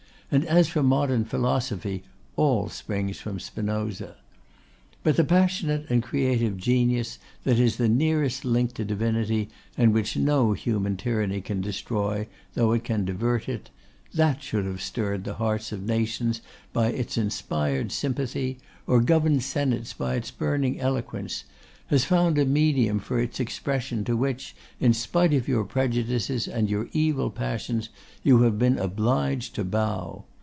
And as for modern philosophy, all springs from Spinoza. 'But the passionate and creative genius, that is the nearest link to Divinity, and which no human tyranny can destroy, though it can divert it; that should have stirred the hearts of nations by its inspired sympathy, or governed senates by its burning eloquence; has found a medium for its expression, to which, in spite of your prejudices and your evil passions, you have been obliged to bow.